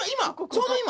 ちょうど今？